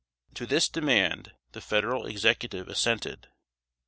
To this demand the Federal Executive assented.